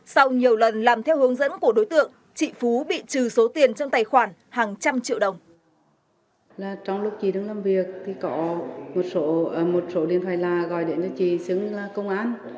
sau nhiều lần làm theo hướng dẫn của đối tượng chị phú bị trừ số tiền trong tài khoản hàng trăm triệu đồng